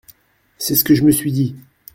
C’est ce que je me suis dit !…